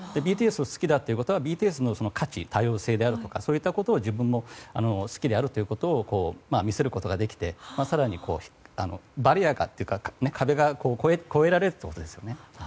ＢＴＳを好きだということはＢＴＳの価値、多様性そういったことを自分も好きであるということを見せることができて更にバリア、壁を越えられるということですよね。